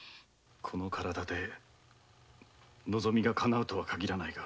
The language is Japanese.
この体で望みがかなうとは限らないが。